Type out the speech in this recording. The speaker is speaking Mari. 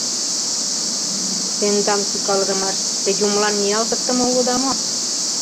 — Тендам тӱкалыдымаш те юмылан ниялтыктыме улыда мо?